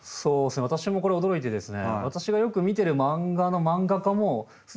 私もこれ驚いてですね。